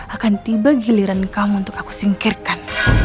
akan tiba giliran kamu untuk aku singkirkan